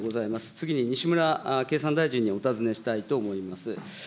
次に西村経産大臣にお尋ねしたいと思います。